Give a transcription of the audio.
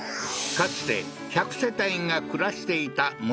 かつて１００世帯が暮らしていた村